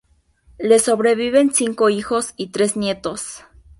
Le sobreviven cinco hijos y tres nietos.